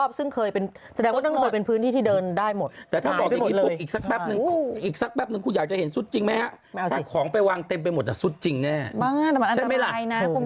คือนี่คือยุบลงไปตรงใช่ไหม